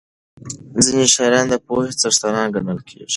ځینې شاعران د پوهې څښتنان ګڼل کېږي.